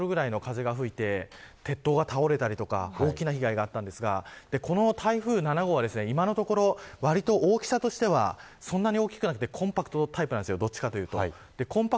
あの時に５０メートルぐらいの風が吹いて、鉄塔が倒れたり大きな被害があったんですがこの台風７号は、今のところわりと大きさとしてはそんなに大きくなくてコンパクトタイプです。